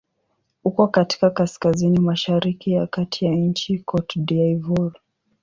Uko katika kaskazini-mashariki ya kati ya nchi Cote d'Ivoire.